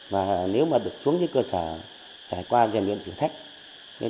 và nếu mà được xuống dưới cơ sở trải qua giàn luyện thử thách